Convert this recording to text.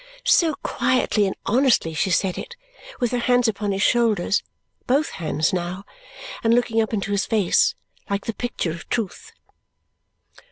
So quietly and honestly she said it, with her hands upon his shoulders both hands now and looking up into his face, like the picture of truth!